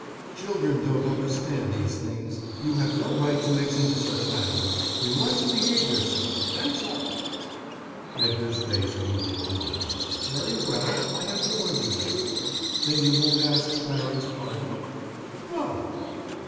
"Children don't understand such things. You have no right to mix into such matters. You must behave yourself. That's all." Edgar's face congealed again. "Very well. I have warned you." "Then you won't ask the baron's pardon?" "No."